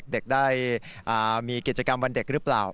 เด็กได้มีกิจกรรมวันเด็กหรือเปล่า